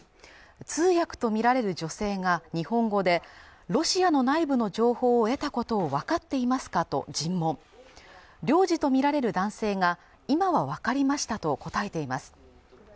通訳とみられる女性が日本語でロシアの内部の情報を得たことを分かっていますかと尋問領事と見られる男性が今はわかりましたと答えています